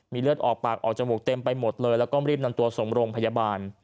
เลือดออกปากออกจมูกเต็มไปหมดเลยแล้วก็รีบนำตัวส่งโรงพยาบาล